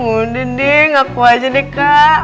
udah deh ngaku aja deh kak